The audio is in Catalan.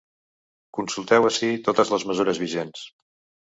Consulteu ací totes les mesures vigents.